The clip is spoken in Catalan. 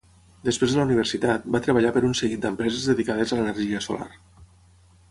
Després de la universitat, va treballar per un seguit d'empreses dedicades a l'energia solar.